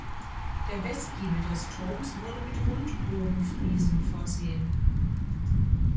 Der Westgiebel des Turms wurde mit Rundbogenfriesen versehen.